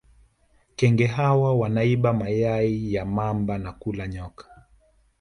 kenge hawa wanaiba mayai ya mamba na kula nyoka